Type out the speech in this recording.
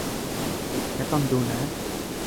ไม่ต้องดูนะ